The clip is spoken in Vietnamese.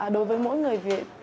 đối với mỗi người việt